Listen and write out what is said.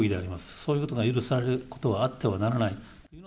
そういうことが許されることはあってはならない。